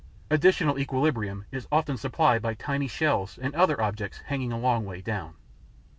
Additional equilibrium is often supplied by tiny shells and other objects hanging a long way down.